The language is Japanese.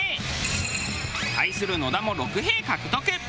対する野田も６へぇ獲得。